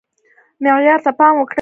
معیار ته پام وکړئ